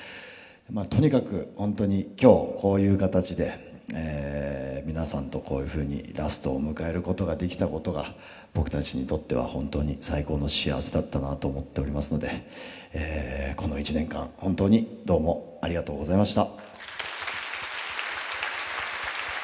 とにかく本当に今日こういう形で皆さんとこういうふうにラストを迎えることができたことが僕たちにとっては本当に最高の幸せだったなと思っておりますのでこの１年間本当にどうもありがとうございました。